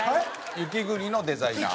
雪国のデザイナー。